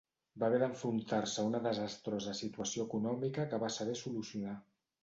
Va haver d'enfrontar-se a una desastrosa situació econòmica que va saber solucionar.